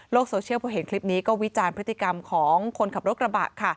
โซเชียลพอเห็นคลิปนี้ก็วิจารณ์พฤติกรรมของคนขับรถกระบะค่ะ